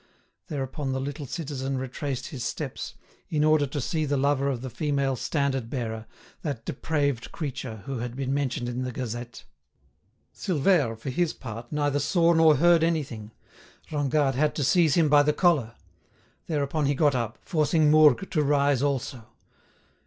Thereupon the little citizen retraced his steps, in order to see the lover of the female standard bearer, that depraved creature who had been mentioned in the "Gazette." Silvère, for his part, neither saw nor heard anything; Rengade had to seize him by the collar. Thereupon he got up, forcing Mourgue to rise also.